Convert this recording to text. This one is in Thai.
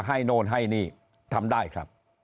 โน่นให้นี่ทำได้ครับ